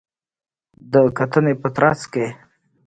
د کتنې په ترڅ کې